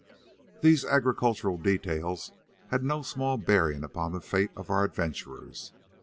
These agricultural details had no small bearing upon the fate of our adventurers.